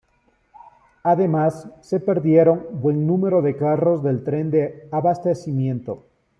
Además, se perdieron buen número de carros del tren de abastecimiento.